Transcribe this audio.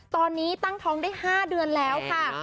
ตอนนี้ตั้งท้องได้๕เดือนแล้วค่ะ